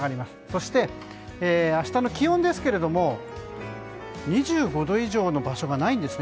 そして明日の気温ですが２５度以上の場所がないんです。